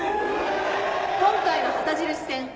今回の旗印戦。